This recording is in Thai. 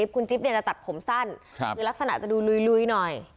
คุณจิ๊บจะตัดผมสั้นคือลักษณะจะดูลุยหน่อย